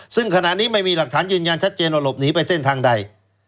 ซึ่งขณะนี้ไม่มีหลักฐานยืนยันชัดเจนว่าหลบหนีไปเส้นทางใด